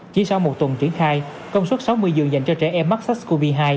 chỉ sau một tuần triển khai công suất sáu mươi giường dành cho trẻ em mắc sars cov hai